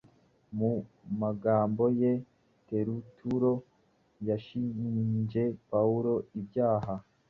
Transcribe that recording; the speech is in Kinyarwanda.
Mu magambo ye Teritulo yashinje Pawulo ibyaha